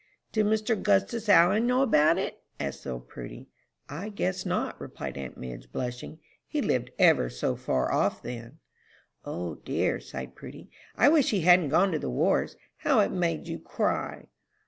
"Did Mr. 'Gustus Allen know about it?" asked little Prudy. "I guess not," replied aunt Madge, blushing. "He lived ever so far off then." "O dear," sighed Prudy, "I wish he hadn't gone to the wars. How it made you cry!"